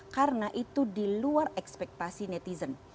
karena itu di luar ekspektasi netizen